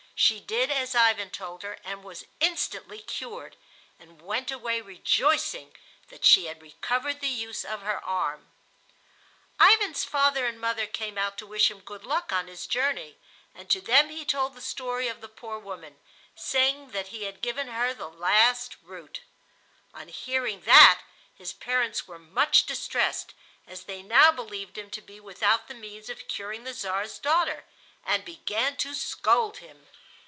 She did as Ivan told her and was instantly cured, and went away rejoicing that she had recovered the use of her arm. Ivan's father and mother came out to wish him good luck on his journey, and to them he told the story of the poor woman, saying that he had given her his last root. On hearing this his parents were much distressed, as they now believed him to be without the means of curing the Czar's daughter, and began to scold him.